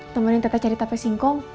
temanin tete cari tape singkong